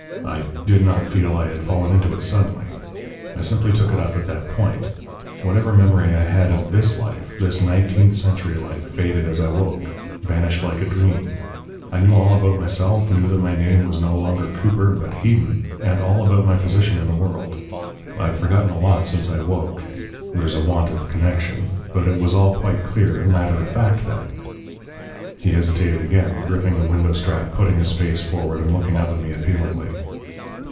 I did not feel I had fallen into it suddenly. I simply took it up at that point. Whatever memory I had of THIS life, this nineteenth century life, faded as I woke, vanished like a dream. I knew all about myself, knew that my name was no longer Cooper but Hedon, and all about my position in the world. I've forgotten a lot since I woke there's a want of connection but it was all quite clear and matter of fact then." He hesitated again, gripping the window strap, putting his face forward and looking up at me appealingly.